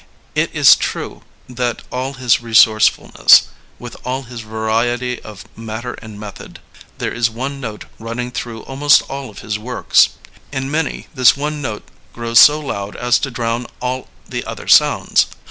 It is true that with all his resource fulness, with all his variety of matter and method, there is one note running through almost all of his works. In many this one note grows so loud as to drown all the other sounds.